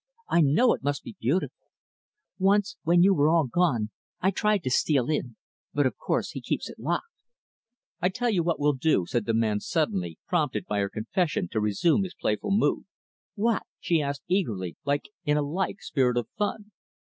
I know it must be beautiful. Once, when you were all gone, I tried to steal in; but, of course, he keeps it locked." "I'll tell you what we'll do," said the man, suddenly prompted by her confession to resume his playful mood. "What?" she asked eagerly, in a like spirit of fun.